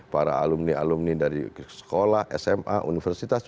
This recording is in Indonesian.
para alumni alumni dari sekolah sma universitas